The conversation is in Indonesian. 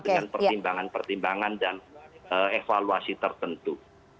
dengan pertimbangan pertimbangan dan evaluasi tertentu